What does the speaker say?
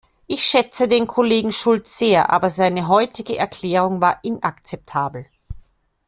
Ich schätze den Kollegen Schulz sehr, aber seine heutige Erklärung war inakzeptabel.